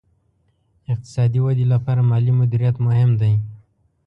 اقتصادي ودې لپاره مالي مدیریت مهم دی.